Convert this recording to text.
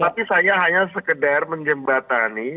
tapi saya hanya sekedar menjembatani